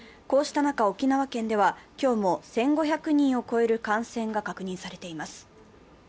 こうした中、沖縄県では今日も１５００人を超える感染が確認されています。